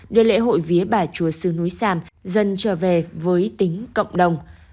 đưa lễ hội vía bà chúa sư núi sam dân trở về với tính cộng đồng